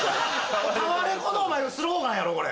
タワレコのスローガンやろこれ。